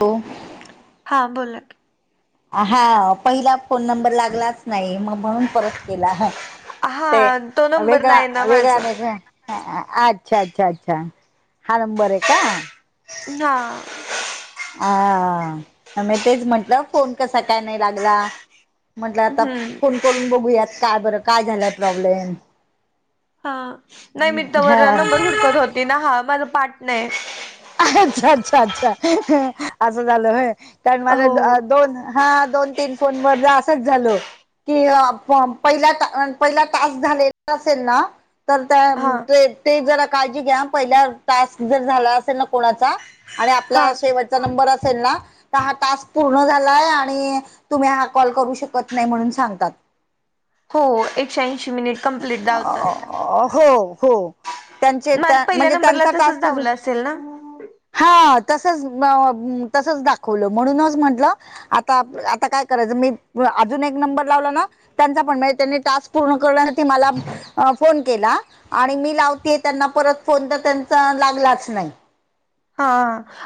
तो.. हां बोलकी. हा पहिला फोन नंबर लागलाच नाही मग म्हणून परत केला ह. ते हा तो नंबर वेगळा, नाही ना वेगळा, माझा. वेगळा ह अच्छा, अच्छा, अच्छा हा नंबर आहे का. ना. हा मी तेच म्हंटलं फोन कसा काय नाही लागला. म्हंटलं आता हम्म फोन करून बघूयात काय बरं काय झालाय प्रॉब्लेम. हा नाही मी तवर हा नंबर हुडकत होती ना हा माझं पाठ नाय. अच्छा, अच्छा, अच्छा ह असं झालं होय कारण हो. माझ्या दोन हा दोन, तीन फोन वरलं असच झाल. कि अं फॉर्म पहिला टा पहिला टास्क झालेला असेल ना. तर त्या हा ते ते जरा काळजी घ्या हं पहिला टास्क जर झाला असेल ना कोणाचा आणि हा आपला शेवटचा नंबर असेल ना. तर हा तास्क पूर्ण झालाय आणि तुम्ही हा कॉल करू शकत नाही म्हणून सांगतात. हो एकशे ऐंशी मिनिट कंप्लीट दावतात. अ, हो, हो. त्यांचे माझ टा पहिल्या म्हणजे नंबरला त्यांचा तसच टास्क ज दावलं असेल ना? हा तसच, तसच दाखवलं म्हणूनच म्हंटलं आता, आता काय करायचं मी अजून एक नंबर लावला ना. त्यांचा पण नाय त्यांनी टास्क पूर्ण करण्यासाठी मला अ फोन केला आणि मी लावतेय त्यांना परत फोन तर त्यांचा लागलाच नाही. हा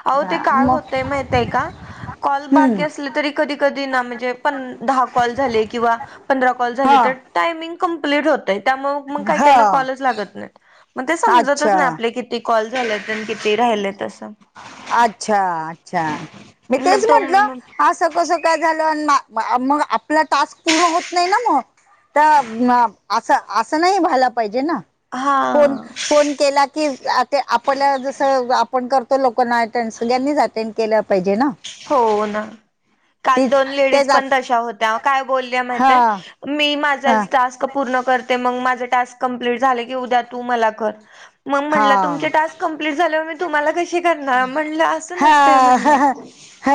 अहो ते हा काय मग होतय माहिताय का. कॉल बाकी हम्म असले तरी कधी, कधी ना म्हणजे पं दहा कॉल झाले किंवा पंधरा कॉल झाले हा तर टायमिंग कंप्लीट होतय त्यामूळं मग काय कायना हा कॉलच लागत नायत मग ते समजतच अच्छा नाही आपल्या कि ती कॉल झालेत अन किती राहिलेत अस. अच्छा, अच्छा मी मग तेच तो म्हंटलं अस कसं काय झालं मग आपला टास्क पूर्ण होत नाहीना मग. तर असं, असं नाही व्हायला पाहिजे ना हा फोन, फोन केला कि ते आपल्याला जसं आपण करतो लोकांना अटेंड सगळ्यांनीच अटेंड केलं पाहिजे ना हो ना काल तीच दोन लेडीज तेच पण तशा होत्या काय बोलल्या हा माहितेय मी हा माझाच टास्क क पूर्ण करते मग माझे टास्क कंप्लीट झाले की उद्या तू मला कर मग म्हणलं हा तुमचे टास्क कंप्लीट झाल्यावर मी तुम्हाला कशी करणार म्हणलं असं हा नसंतय म्हणलं ह हो ह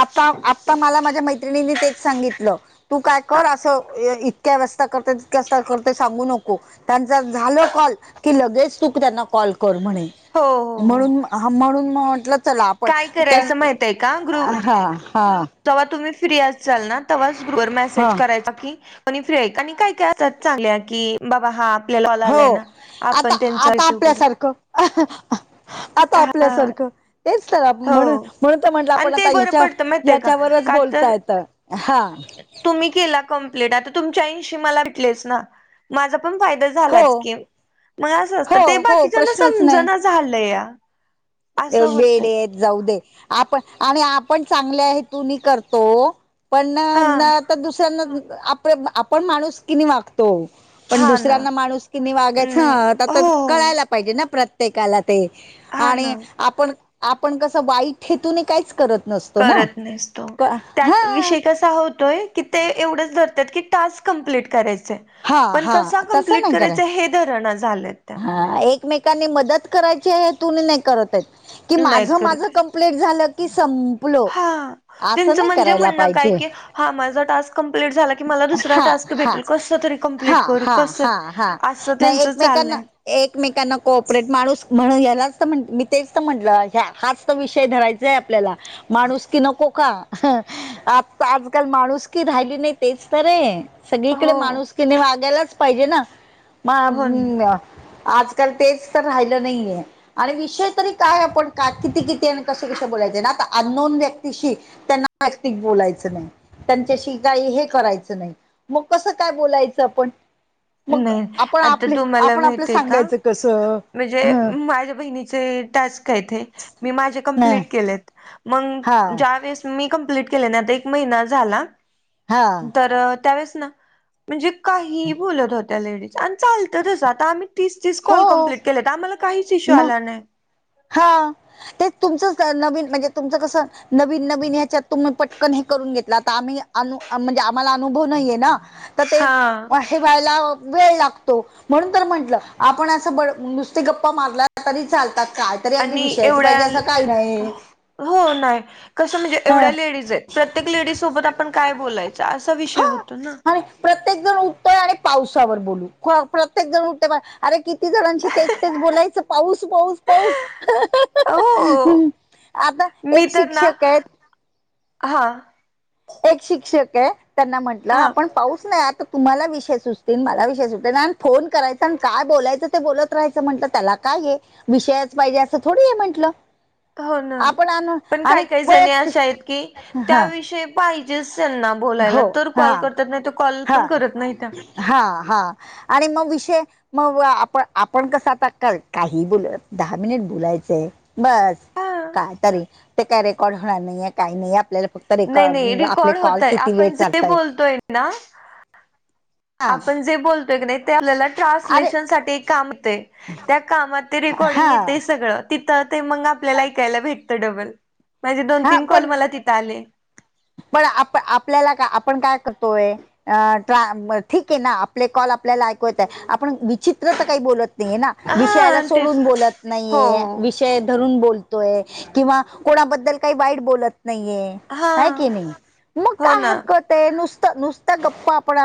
आत्ता आत्ता मला माझ्या मैत्रिणीनी तेच सांगितलं. तू काय कर असं इतक्या वाजता करते तितक्या वाजता करते सांगू नको. त्यांचा झालं कॉल की लगेच तूक त्यांना कॉल कर म्हणे हो हो म्हणून म हा म्हणून म्हंटलं चला पण काय त्या करायचं हा हा जवा तुम्ही फ्री असचाल ना तव्हाच ग्रुपवर मेसेज हा करायचा की आणि फ्री हाय आणि काय काय असत्यात चांगल्या की बाबा हा आपल्याला कॉल हो आलाय ना आता आपण त्यांचा आता रिसीव्ह करू आपल्यासारखं आता हा आपल्यासारखं तेच तर म्हणून हो म्हणून तर म्हटलं आणि आपण आता तेच बरं ह्याच्या पडतं माहितय का ह्याच्या वरच का तर बोलता येतं हा तुम्ही केला. कम्प्लीट आता तुमचे ऐंशी माझा पण फायदा झा हो की म अस असत हो ते हो बाकीच्या प्रश्नच समज झाल या. वेडेत जाऊ दे आपण आणि आपण चांगले आहे तून म करतो पण हा न तर दुसऱ्यांना आप आपण माणूस कि नाही वागतो. तो पण हा ना दुसऱ्यांना माणूसकीनी वागायचं नाही आता हो तर कळायला पाहिजे ना प्रत्येकाला ते हा ना आणि आपण आपण कसं वाईट हेतूने काहीच करत नसत करत नसतो त्यात विषय कसा होतोय की ते एवढंच धरत्यात की टास्क कमप्लीट करायचंय. हा पण हा कसा तसं कंप्लीट नाही करायचा करत हे धरणा झालेत. हा एकमेकांनी मदत करायच्या हेतुने नाही करतायत की माझ नाहीत करत माझं कं प्लेट झालं की सं हा त्यांचं म्हणजे म्हणणं काय पाहिजे की हा माझा टास्क कम्प्लीट झाला का मला दुसरा हा टास्क हा भेटेल कसं तरी हा कंप्लिट हा हा हा असं नाही त्यांचं झालंय एकमेकांना एकमेकांना कोऑपरेट माणूस म्हणून यालाच तर म्ह मी तेच तर म्हटलं हाच विषय धरायचाय आपल्याला माणूस की नको का आ आजकाल माणूस की राहिली नाही तेच तर र आहे सगळीकडे हो माणूस कि वागायलाच पाहिजे ना हो मग आजकाल तेच तर राहिलं नाहीये. आणि विषय तरी काय आपण का किती किती आणि कसे कसे बोलायचे ना आता अननोन व्यक्तीशी त्यांना जातिक बोलायचं नाही त्यांच्याशी काही हे करायचं नाही मग कसं काय बोलायचं आपण. मग नाही आपण आता आपले तुम्हाला आपण आपल्या माहित आहे का सांगायचं कसं म्हणजे ह माझ्या बहिणीचे टास्क आहेत मी माझे नाही कमप्लीट केलेत. हा मग ज्या वेळेस मी कंप्लीट केले आता एक महिना झाला. हा तर त्यावेेळेस ना म्हणजे काही बोलत होत्या लेडीज आणि चालतच आता आम्ही तीस तीस कॉल हो कंप्लीट आम्हाला काहीच इशू मग आला नाही. हा तेच तुमचं नवीन म्हणजे तुमचं कसं नवीन नवीन ह्याच्या तुम्ही पटकन हे करून घेतला तर आम्ही अनु म्हणजे आम्हाला अनुभव नाहीये ना तर ते हा हे व्हायला वेळ लागतो. म्हणून तर म्हंटलं आपण असं बड नुसते गप्पा मारला तरी चालतात. काय तरी अगदी आणि विषयाच एवढ्या पाहिजे असं काही नाही हो नाही कसं म्हणजे हा एवढ्या लेडीज आहेत प्रत्येक लेडी सोबत आपण काय बोलायचं असा विषय हा होतो ना. प्रत्येक जण उठतय आणि पावसावर बोलू प्रत्येक जण उठतय अरे कि- किती जणांशी तेच, तेच बोलायचं, पाऊस, पाऊस, पाऊस- हो हम्. आता एक शिक्षक आहेत- हां. एक शिक्षक आहे, त्यांना म्हटलं हा आपण पाऊस नाही आता- तुम्हाला विषय सुचतील, मला विषयष सुटेल आणि फोन करायचा आणि काय बोलायचं ते बोलत राहायचं म्हटलं त्या काय- विषयच पाहिजे, असं थोडी हे म्हटलं. हो ना, आपण आण पण काय आणि काही जणी अशा वैयक्तिक आहेत की, हा त्याविषयी- पाहिजेच त्यांना बोलायला हो तर हा कॉल करतात, नाही तर कॉल हा पण करत नाही त्या. हा, हा आणि मग विषय- मग आपण, आपण कसं आता काही बोल दहा मिनिट बोलायचंय. बस हा काय तरी, ते काय रेकॉर्ड होणार नाहीय, काही नाही आपल्याला फक्त- नाही, नाही, आपले रेकॉर्ड कॉल होतय, किती वेळ आपण जे चालताय बोलतोय ना- हा आपण जे बोलतोय की नाही ते आपल्याला अरे ट्रान्सलेशन साठी एक काम येतय. त्या कामात हा रेकॉर्डिंग येत सगळं. तिथं ते मग आपल्याला ऐकायला भेटतं डबल, माझे दोन, हा तीन कॉल पण मला तिथं आले. पण, आप- आपल्याला का आपण काय करतोय? अ.. ट्रा.. मग ठीक आहे ना, आपले कॉल आपल्याला ऐकू येत आहे, आपण विचित्र तर काही बोलत- ना विषयाला हा तेच सोडून ना. बोलत हो नाहीये, हो विषय धरून बोल- तोय किंवा कोणाबद्दल काही वाईट बोलत नाहीये. हा हाय की नाही, मग हो काय ना हरकत- ते, नुसतं, नुसत गप्पा आपण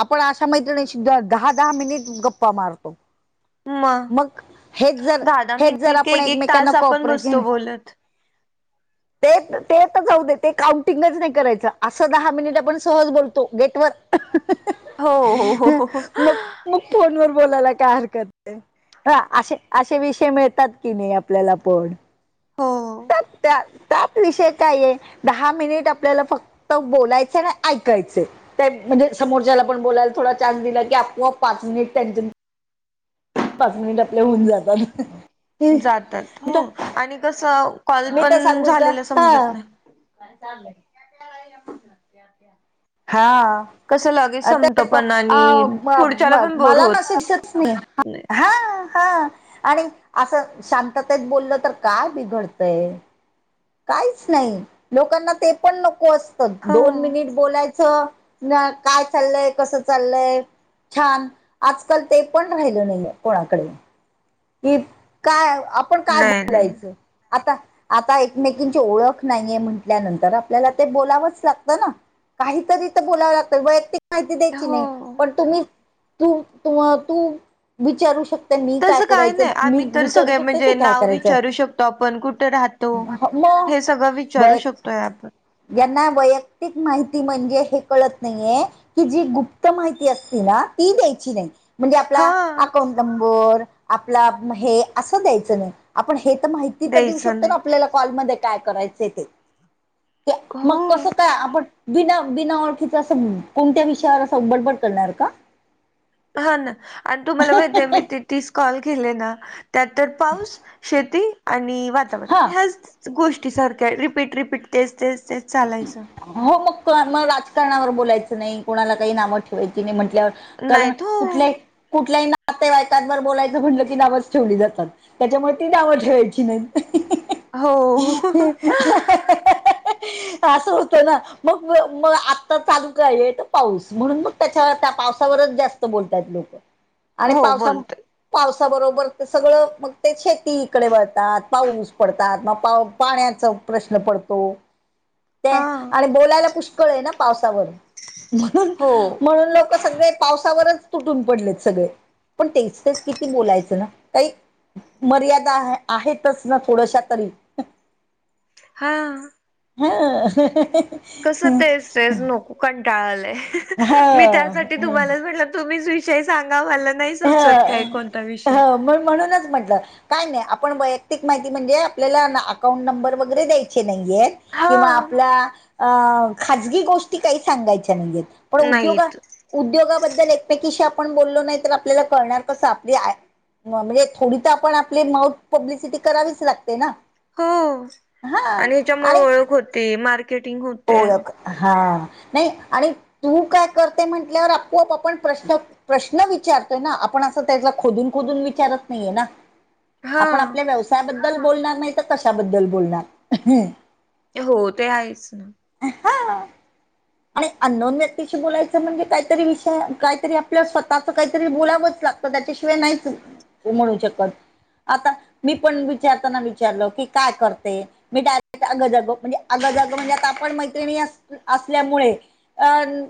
आपण अशा मैत्रिणी दहा-दहा मिनिट गप्- पा मारतो. मग, हेच जर, दहा दहा हेच जर, मिनिट का आपण एक एक एकमेकांना तास आपण काँपरेट- बसतो बोलत ते ते [unintelligible] जाऊदे, ते काउंटिंगच नाही करायच, असं दहा मिनिट आपण सहज बोलतो, गेटवर- हो, हो, हो, हो. मग मग, फोनवर बोलायला काय हरकत- ह, असे् असे विषय मिळतात की नाही, आपल्याला पण- हो. त्यात त्या त्यात विषय काय आहे, दहा मिनिट आपल्याला फक्त बोलायचं आणि ऐकायचंय. म्हणजे समोरच्याला पण बोलायला थोडा चान्स दिला की, आपोआप पाच मिनिट त्यांची- पाच मिनिट आपले होऊन जातात. जातात आणि कसं कॉल मी तर पण सांगू का झालेला हा समजत नाही. चाललंय [unintelligible] हा. आता पण आणि आ मग आ म पुढच्याला म पण बोर मला होत ना शिक्षत म [unintelligible] हा. हा. आणि असं शांततेत बोललं तर काय बिघडतंय? काहीच नाही, लोकांना ते पण नको असतं, हो. दोन मिनिट बोलायचं. ना काय चाललंय, कसं चाललंय? छान, आजकाल ते पण राहिलं नाहीये कोणाकडे. कि काय आपण काय नाही नाही बोलायचं? आता, आता एकमेकींची ओळख नाहीये म्हटल्यानंतर, आपल्याला ते बोलावंच लागतं ना? काहीतरी इथं बोलावं लागतं वैयक्तिक- माहिती द्यायची हो. नाही, पण तुम्ही तूु- तू विचारू शक- त मी काय- काय करायचं नाही, मी आम्ही तर विचारू सगळं शकते ते म्हणजे काय नाव करायचं विचारू शकतो आपण, कुठे राहतो, मग हे सगळं विचारू- विचारू वैयक्तिक शकतोय आपण. यांना वैयक्तिक माहिती म्हणजे, हे कळत नाहीये- कि जी गुप्त माहिती असती ना ती द्यायची नाही. म्हणजे आपला हा अकाउंट नंबर आपला हे असं द्यायचं नाही आपण हे तर माहि ति तर देऊ द्यायचं शकतो नाही का आपल्याला कॉलमध्ये काय करायचं ते मग हो. कसं काय आपण बिना, बिना ओळखीचं असं कोणत्या विषयावर असं बडबड करणार का [unintelligible] हा ना आणि तुम्हाला माहित हाय मी ते तीस कॉल केले ना त्यात तर पाऊस शेती आणि वा हा ह्याच गोष्टी सारख्या रिपीट रिपीट तेच तेच तेच चालायचं. हो मग मग राजकारणावर बोलायचं नाही कोणाला काही नावं ठेवायची नाही म्हटल्यावर. कारण नाहीत हो कुठल्याही कुठल्याही नातेवाईकांवर बोलायचं म्हंटलं की नावच ठेवली जातात त्याच्यामुळे ती नावं ठेवायची नाहीत हो हो ह. [unintelligible] असं होतं ना मग मग आत्ता चालू काय आहे तर पाऊस म्हणून मग त्याच्या त्या पावसावरच जास्त बोलतात लोकं आणि हो पावसा बोलतोय पावसाबरोबर तर सगळं मग ते शेतीकडे वळतात पाऊस पडतात मग पा पाण्याचं प्रश्न पडतो. ते हा आणि बोलायला पुष्कळ आहे ना पावसावर म्हणून, हो म्हणून लोक सगळे पावसावरच तुटून पडलेत सगळे पण तेच तेच किती बोलायचं ना काही मर्यादा आहेतच ना थोडश्या तरी हा. हा हा ह कसं तेच तेच नको कंटाळा आलंय मी त्यासाठी ह तुम्हालाच म्हटलं तुम्हीच विषय सांगा मला नाही ह सुचत काय कोणता ह विषय. म्हणूनच म्हंटलं. काय नाही, आपण वैयक्तिक माहिती म्हणजे आपल्याला अकाउंट नंबर वगैरे द्याय की नाहीये हा किंवा आपल्या अ खाजगी गोष्टी काही सांगायच्या नाहीयेत. पण उद्योगा नाहीत उद्योगाबद्दल एकमेकीशी आपण बोललो नाही तर आपल्याला कळणार कसं आपली आय म म्हणजे थोडी तर आपण आपली माऊथ पब्लिसिटी करावीच लागते ना. हो हा आणि ह्याच्यामुळ ओळख होती मार्केटिंग हो ओळख, हा नाही आणि तू काय करते म्हंटल्यावर आपोआप आपण प्रश्न प्रश्न विचारतोय ना आपण असं त्याला खोदून खोदून विचारत नाहीये ना. हा आपण आपल्या व्यवसायाबद्दल बोलणार नाही तर कशाबद्दल बोलणार? हो ते आहेच ना हा आ. आणि अन्नोन व्यक्तीशी बोलायचं म्हणजे काहीतरी विषय काहीतरी आपल्या स्वतःच काहीतरी बोलावच लागतं. तर त्याच्याशिवाय नाहीच हम्म, म्हणू शकत आता मी पण विचारताना विचारलं की काय करते? मी डायरेक्ट अगं जागं म्हणजे अगं जागं म्हणजे आता आपण मैत्रिणी असं असं सल्यामुळे अन्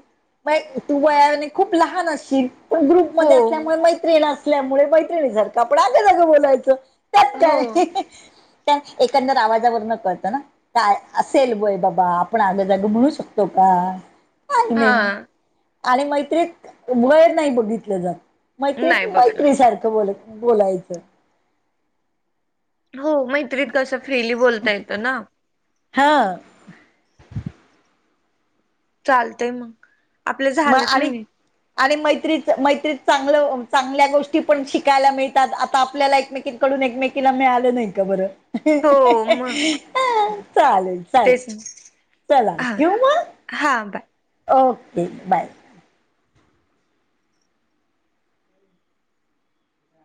म तू वयाने खूप लहान अशील पण ग्रुप हो मध्ये असल्यामुळे मैत्रीणं असल्यामुळे मैत्रिणीसारखं आपण अगं जागं बोलायचं. त्यात हो काय त्या एकंदर आवाजावरणं कळतं ना काय असेल वय बाबा आपण आगं जागं म्हणू शक तो का? काय नाही हा आणि मैत्रीत वय नाही बघितलं जात मैत्रीत नाही बघितलं मैत्रीसार ख बोलक बोलायचं हो मैत्रीत कसं फ्रीली बोलता येतं ना हा. चालतंय मगं मग आणि आणि मैत्रीत मैत्रीत चांगलं चांगल्या गोष्टी पण शिकायला मिळतात 'आता आपल्याला एकमेकी कडून एकमेकीला मिळालं नाही का बर हो मग हं चालेलं. तेच. हा, मग हा बाय. ओके. बाय.